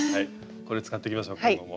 これ使っていきましょう今後も。